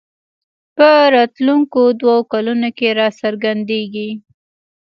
په راتلونکو دوو کلونو کې راڅرګندېږي